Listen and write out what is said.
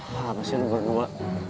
makasih ya lo berdua